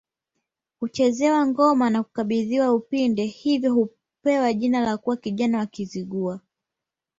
Huchezewa ngoma na kukabidhiwa upinde hivyo hupewa jina na kuwa kijana wa Kizigua